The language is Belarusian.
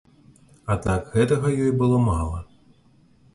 Аднак гэтага ёй было мала.